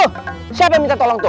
oh siapa yang minta tolong tuh